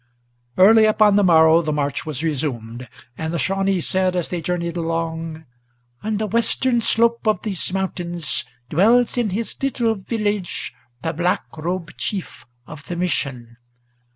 Early upon the morrow the march was resumed; and the Shawnee Said, as they journeyed along, "On the western slope of these mountains Dwells in his little village the Black Robe chief of the Mission.